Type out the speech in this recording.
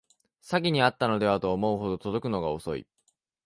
詐欺にあったのではと思うほど届くのが遅い